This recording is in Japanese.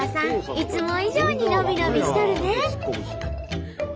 いつも以上に伸び伸びしとるね！